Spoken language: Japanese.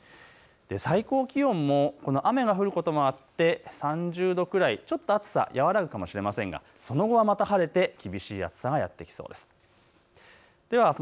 最高気温も雨が降ることもあって３０度くらい、ちょっと暑さ、和らぐかもしれませんがその後はまた晴れて厳しい暑さがやって来そうです。